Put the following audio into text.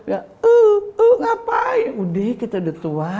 gak apa apa udah kita udah tua